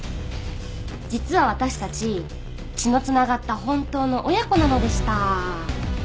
実は私たち血のつながった本当の親子なのでした。